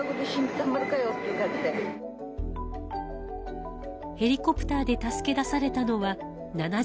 ヘリコプターに助け出されたのは７時間後でした。